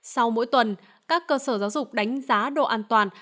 sau mỗi tuần các cơ sở giáo dục đánh giá độ an toàn